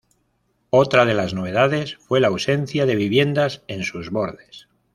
Otra de las novedades fue la ausencia de viviendas en sus bordes.